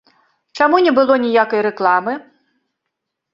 Чаму не было ніякай рэкламы?